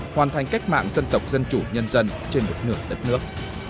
hoàn thành cách mạng dân tộc dân chủ nhân dân trên một nửa đất nước